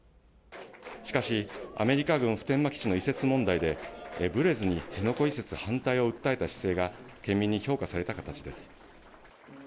しかし、アメリカ軍普天間基地の移設問題で、ぶれずに辺野古移設反対を訴えた姿勢が、県民に評価された形です。